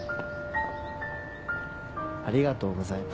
ありがとうございます。